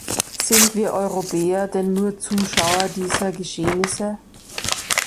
Sind wir Europäer denn nur Zuschauer dieser Geschehnisse?